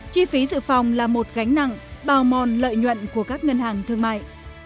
chi phí dự phòng là một gánh nặng bào mòn lợi nhuận của các ngân hàng thương mại